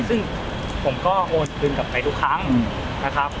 ซึ่งผมก็โอนคืนกลับไปทุกครั้งนะครับ